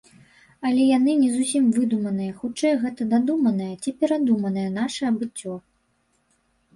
Але яны не зусім выдуманыя, хутчэй гэта дадуманае ці перадуманае нашае быццё.